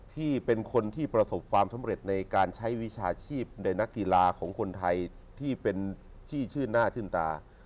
ที่เป็นคนที่ประสบความสำเร็จในการใช้วิชาชีพในนักกีฬาของคนไทยที่เป็นที่ชื่นหน้าชื่นตา